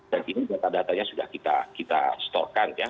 dan ini data datanya sudah kita setorkan ya